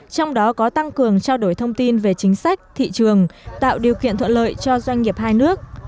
trong đó có tăng cường trao đổi thông tin về chính sách thị trường tạo điều kiện thuận lợi cho doanh nghiệp hai nước